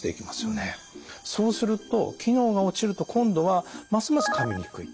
そうすると機能が落ちると今度はますますかみにくい。